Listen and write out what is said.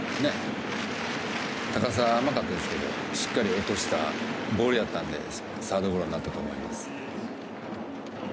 高さが甘かったですがしっかり落としたボールだったのでサードゴロになったと思います。